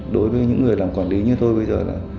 đối với những người làm quản lý như tôi bây giờ là